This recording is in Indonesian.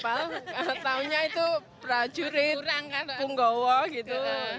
kalau tahunya itu prajurit punggowo gitu